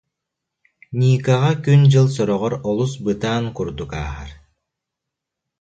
Никаҕа күн-дьыл сороҕор олус бытаан курдук ааһар